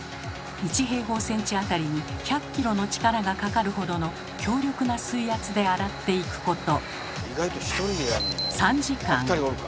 １平方センチあたりに１００キロの力がかかるほどの強力な水圧で洗っていくこと３時間。